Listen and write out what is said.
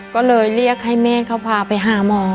ก็เลยเรียกให้แม่เขาพาไปหาหมอ